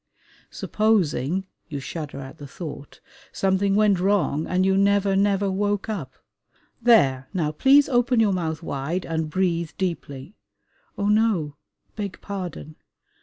Supposing (you shudder at the thought) something went wrong and you never, never woke up. "There! Now please open your mouth wide and breathe deeply." Oh no! Beg pardon!